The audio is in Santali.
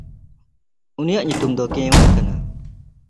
ᱩᱱᱤᱭᱟᱜ ᱧᱩᱛᱩᱢ ᱫᱚ ᱠᱮᱭᱶᱱ ᱠᱟᱱᱟ᱾